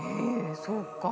そうか。